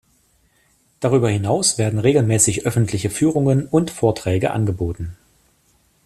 Darüber hinaus werden regelmäßig öffentliche Führungen und Vorträge angeboten.